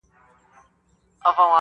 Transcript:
o خداى دي كړي خير گراني څه سوي نه وي.